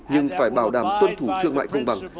nhưng phải bảo đảm tuân thủ thương mại công bằng